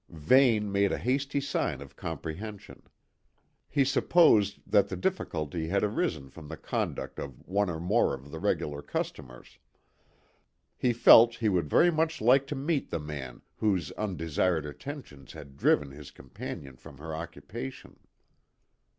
Vane made a hasty sign of comprehension. He supposed that the difficulty had arisen from the conduct of one or more of the regular customers. He felt he would very much like to meet the man whose undesired attentions had driven his companion from her occupation.